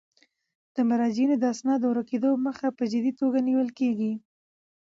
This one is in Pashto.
د مراجعینو د اسنادو د ورکیدو مخه په جدي توګه نیول کیږي.